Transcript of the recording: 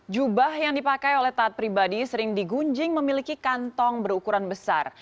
jubah yang dipakai oleh taat pribadi sering digunjing memiliki kantong berukuran besar